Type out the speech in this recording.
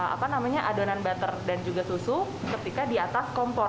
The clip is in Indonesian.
apa namanya adonan butter dan juga susu ketika di atas kompor